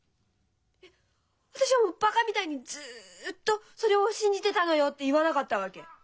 「私はバカみたいにずっとそれを信じていたのよ」って言わなかったわけ？